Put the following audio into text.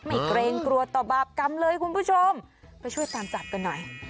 เกรงกลัวต่อบาปกรรมเลยคุณผู้ชมไปช่วยตามจับกันหน่อย